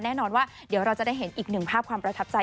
แน่นอนว่าเดี๋ยวเราจะได้เห็นอีกหนึ่งภาพความประทับใจ